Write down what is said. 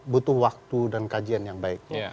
butuh waktu dan kajian yang baik